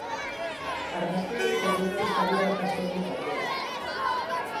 Argazkigintza onenari saria ere jaso du, gainera.